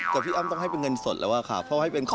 กับพี่อ้ำต้องให้เป็นเงินสดแล้วค่ะเพราะให้เป็นของ